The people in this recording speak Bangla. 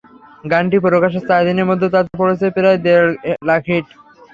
গানটি প্রকাশের চার দিনের মধ্যে তাতে পড়েছে প্রায় দেড় লাখ হিট।